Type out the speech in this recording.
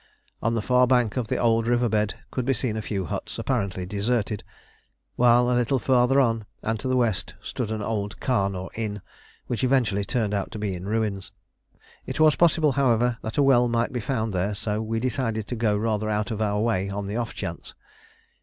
On the far bank of the old river bed could be seen a few huts, apparently deserted, while a little farther on, and to the west, stood an old khan or inn which eventually turned out to be in ruins. It was possible, however, that a well might be found there, so we decided to go rather out of our way on the off chance.